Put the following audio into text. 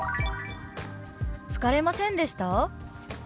「疲れませんでした？」。